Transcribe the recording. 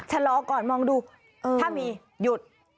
ชะลอก่อนมองดูถ้ามีหยุด